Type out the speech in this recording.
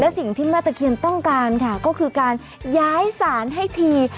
สิ่งที่แม่ตะเคียนต้องการค่ะก็คือการย้ายศาลให้ที